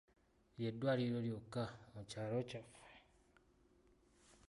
Ly'eddwaliro lyokka mu kyalo kyaffe.